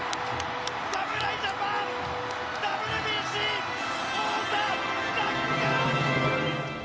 侍ジャパン、ＷＢＣ王座奪還！